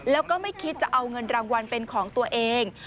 แล้วก็ไม่คิดจะเอาเงินรางวัลเป็นของตัวเอง